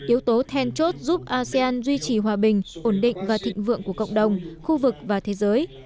yếu tố then chốt giúp asean duy trì hòa bình ổn định và thịnh vượng của cộng đồng khu vực và thế giới